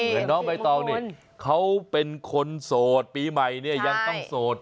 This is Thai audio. เหมือนน้องใบตองนี่เขาเป็นคนโสดปีใหม่ยังต้องโสด